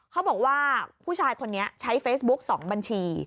เขาบอกว่าผู้ชายคนนี้ใช้เฟซบุ๊ก๒บัญชี